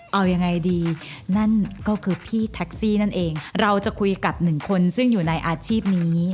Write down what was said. เอายังไงดีนั่นก็คือพี่แท็กซี่นั่นเองเราจะคุยกับหนึ่งคนซึ่งอยู่ในอาชีพนี้